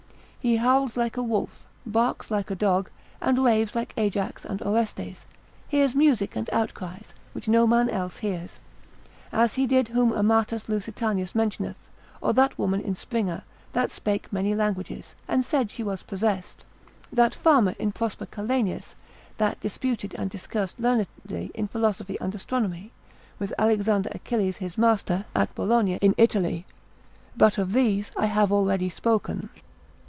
He howls like a wolf, barks like a dog, and raves like Ajax and Orestes, hears music and outcries, which no man else hears. As he did whom Amatus Lusitanus mentioneth cent. 3, cura. 55, or that woman in Springer, that spake many languages, and said she was possessed: that farmer in Prosper Calenius, that disputed and discoursed learnedly in philosophy and astronomy, with Alexander Achilles his master, at Bologna, in Italy. But of these I have already spoken.